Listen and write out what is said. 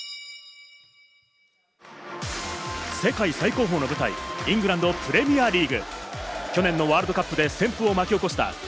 世界最高峰の舞台、イングランド・プレミアリーグ。